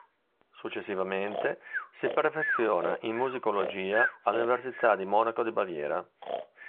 Successivamente si perfeziona in Musicologia all'Università di Monaco di Baviera.